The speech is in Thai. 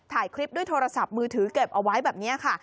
ถ่ายคลิปด้วยโทรศัพท์มือถือเก็บเอาไว้แบบนี้ค่ะ